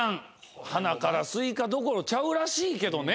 鼻からスイカどころちゃうらしいけどね。